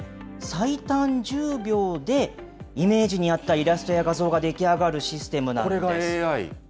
最短１０秒でイメージに合ったイラストや画像が出来上がるシステムなんです。